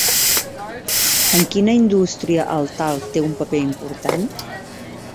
En quina indústria el talc té un paper important?